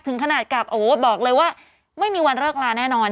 ถึงขนาดกับโอ้โหบอกเลยว่าไม่มีวันเลิกลาแน่นอน